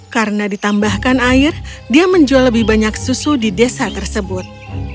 karena ditambahkan air dia menjual lebih banyak susu di desa tersebut